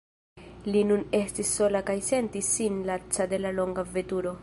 Li nun estis sola kaj sentis sin laca de la longa veturo.